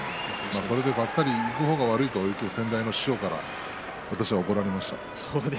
そこでばったりいく方が悪いとよく先代の師匠から私は怒られました。